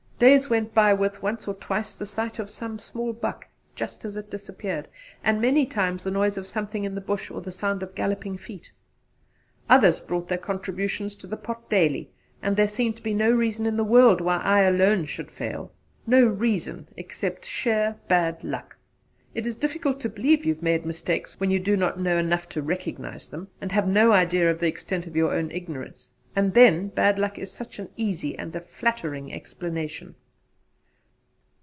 Days went by with, once or twice, the sight of some small buck just as it disappeared, and many times, the noise of something in the bush or the sound of galloping feet. Others brought their contributions to the pot daily, and there seemed to be no reason in the world why I alone should fail no reason except sheer bad luck! It is difficult to believe you have made mistakes when you do not know enough to recognise them, and have no idea of the extent of your own ignorance; and then bad luck is such an easy and such a flattering explanation!